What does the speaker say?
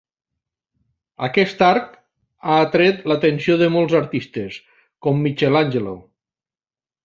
Aquest arc ha atret l'atenció de molts artistes, com Michelangelo.